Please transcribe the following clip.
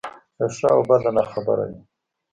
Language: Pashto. له ښه او بده ناخبره دی.